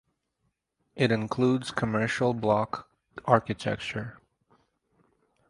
It includes Commercial block architecture.